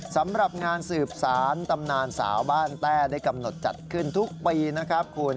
สำหรับงานสืบสารตำนานสาวบ้านแต้ได้กำหนดจัดขึ้นทุกปีนะครับคุณ